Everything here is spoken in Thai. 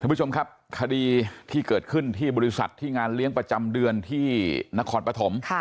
ผู้ชมครับคดีที่เกิดขึ้นที่บริษัทที่งานเลี้ยงประจำเดือนที่นครปฐม